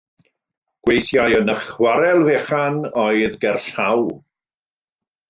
Gweithiai yn y chwarel fechan oedd gerllaw.